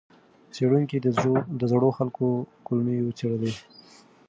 څېړونکو د زړو خلکو کولمې وڅېړلې.